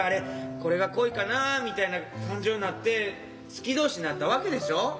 これが恋かなみたいな感情になって好き同士になったわけでしょ？